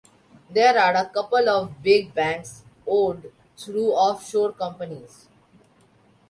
There are a couple of big banks owned through off-shore companies.